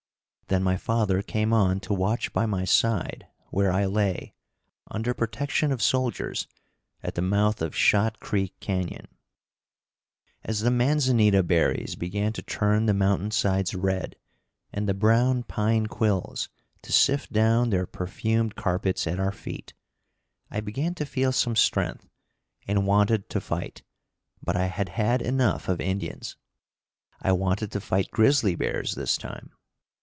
Then my father came on to watch by my side, where I lay, under protection of soldiers, at the mouth of Shot Creek canyon. As the manzanita berries began to turn the mountain sides red and the brown pine quills to sift down their perfumed carpets at our feet, I began to feel some strength and wanted to fight, but I had had enough of Indians. I wanted to fight grizzly bears this time.